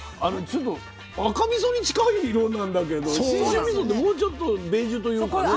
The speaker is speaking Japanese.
ちょっと赤みそに近い色なんだけど信州みそってもうちょっとベージュというかね。